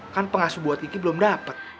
kan pengasuh buat kiki belum dapat